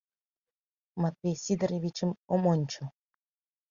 Матвей Сидоровичым ом ончо.